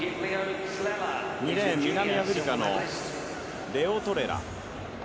２レーン、南アフリカのレオトレラ。